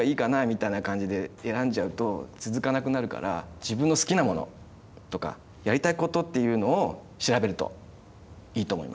みたいな感じで選んじゃうと続かなくなるから自分の好きなものとかやりたいことっていうのを調べるといいと思います。